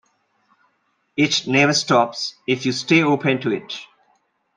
It never stops if you stay open to it.